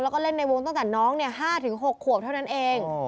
แล้วก็เล่นในวงตั้งแต่น้อง๕๖ขวบเท่านั้นเอง